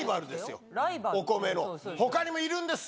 他にもいるんです